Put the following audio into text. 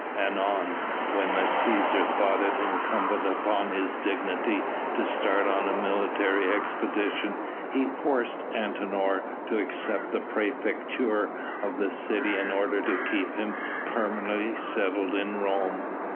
Anon, when the Cæsar thought it incumbent upon his dignity to start on a military expedition, he forced Antinor to accept the praefecture of the city in order to keep him permanently settled in Rome.